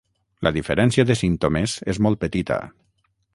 La diferència de símptomes és molt petita.